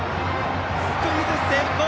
スクイズ成功！